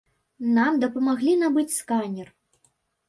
Нам дапамаглі набыць сканер.